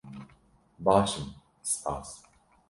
Baş im, spas.